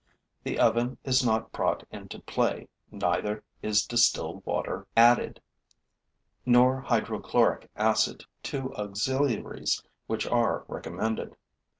The oven is not brought into play, neither is distilled water added, nor hydrochloric acid: two auxiliaries which are recommended.